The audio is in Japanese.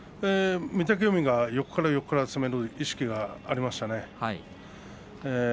御嶽海が横から横から攻める意識がありましたね。